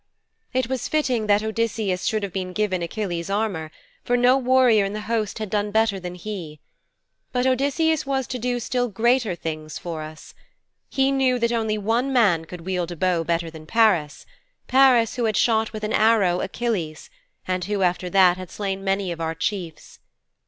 'It was fitting that Odysseus should have been given Achilles' armour, for no warrior in the host had done better than he. But Odysseus was to do still greater things for us. He knew that only one man could wield a bow better than Paris, Paris who had shot with an arrow Achilles, and who after that had slain many of our chiefs.